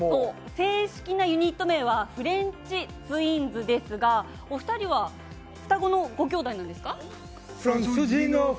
正式なユニット名はフレンチツインズですがお二人は双子のご兄弟なんですか。